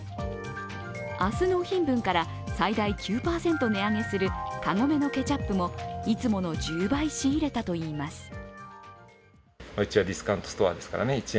明日納品分から最大９％値上げするカゴメのケチャップもいつもの１０倍仕入れたといいます。